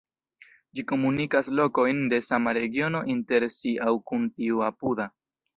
Ĝi komunikas lokojn de sama regiono inter si aŭ kun tiu apuda.